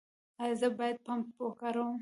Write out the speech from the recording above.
ایا زه باید پمپ وکاروم؟